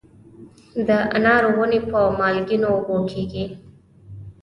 د انارو ونې په مالګینو اوبو کیږي؟